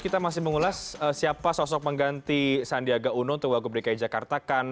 kita masih mengulas siapa sosok pengganti sandiaga uno untuk wgki jakarta